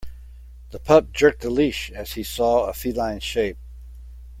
The pup jerked the leash as he saw a feline shape.